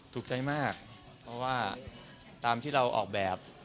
ถูกใจมากเพราะว่าตามที่เราออกแบบ